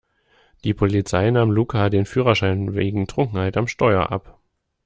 Die Polizei nahm Luca den Führerschein wegen Trunkenheit am Steuer ab.